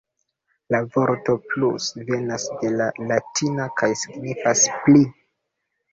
La vorto 'plus' venas de la latina kaj signifas 'pli'.